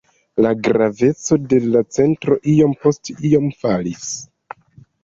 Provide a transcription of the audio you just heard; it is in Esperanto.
La graveco de la centro iom post iom falis.